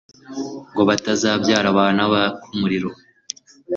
ngo batazabyara abana baka umuriro